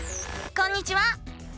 こんにちは！